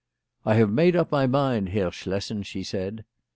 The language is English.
" I have made up my mind. Herr Schlessen/' she said.